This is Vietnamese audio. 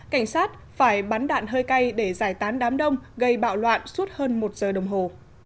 cảnh sát phải bắn đạn hơi cay để giải tán đám đông gây bạo loạn suốt hơn một giờ đồng hồ